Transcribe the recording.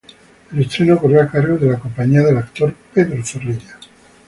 El estreno corrió a cargo de la compañía del actor Pedro Zorrilla.